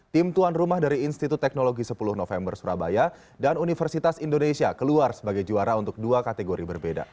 tim tuan rumah dari institut teknologi sepuluh november surabaya dan universitas indonesia keluar sebagai juara untuk dua kategori berbeda